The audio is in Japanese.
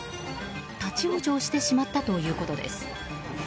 立ち往生してしまったということです。